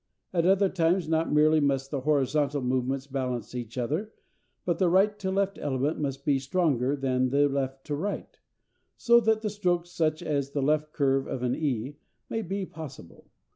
At other times not merely must the horizontal movements balance each other, but the right to left element must be stronger than the left to right, so that strokes such as the left curve of an e may be possible.